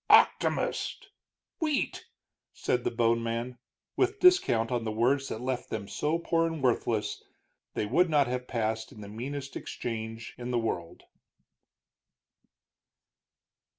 "Octomist! Wheat!" said the bone man, with discount on the words that left them so poor and worthless they would not have passed in the meanest exchange in the world.